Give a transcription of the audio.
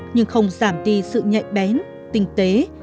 nhưng không giảm đi sự nhạy bén tinh tế